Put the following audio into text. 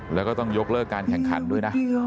แล้วก็ต้องยกเลิกการแข่งขันด้วยนะ